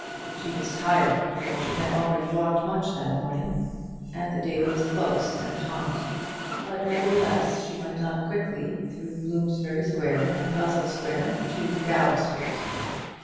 She was tired, for she had already walked much that morning, and the day was close and hot; but nevertheless she went on quickly, through Bloomsbury Square and Russell Square, to Gower Street.